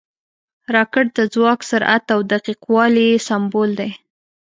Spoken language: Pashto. راکټ د ځواک، سرعت او دقیق والي سمبول دی